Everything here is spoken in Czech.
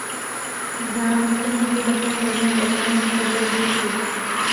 Vzdálenost je někdy také možné odhadnout podle zvuku.